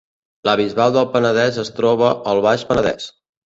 La Bisbal del Penedès es troba al Baix Penedès